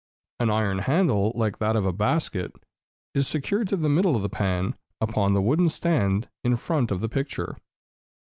An iron handle, like that of a basket, is secured to the middle of the pan upon the wooden stand in front of the picture.